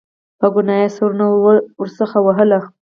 په ګناه یې سرونه ورڅخه وهل.